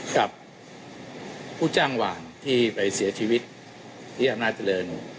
กับผู้จ้างหวานที่ไปเสียชีวิตที่อำนาจเจริญ